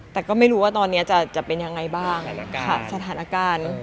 แต่ก็ไม่รู้ว่าตอนนี้จะเป็นยังไงบ้างสถานการณ์